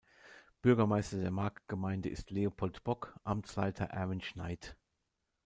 Bürgermeister der Marktgemeinde ist Leopold Bock, Amtsleiter Erwin Schnait.